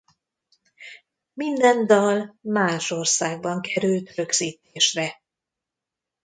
Minden dal más országban került rögzítésre.